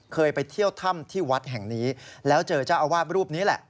เคยไปเที่ยวถ้ำที่วัดแห่งนี้แล้วเจอเจ้าอาวาสรูปนี้แหละ